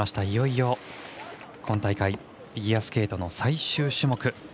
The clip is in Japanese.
いよいよ今大会フィギュアスケートの最終種目。